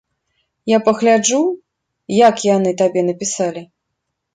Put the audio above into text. Я пагляджу, як яны табе напісалі.